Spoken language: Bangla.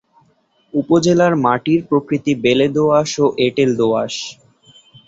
উপজেলার মাটির প্রকৃতি বেলে-দোআঁশ ও এটেল-দোআঁশ।